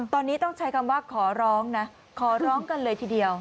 ตอนนี้ต้องใช้คำว่าขอร้องนะขอร้องกันเลยทีเดียว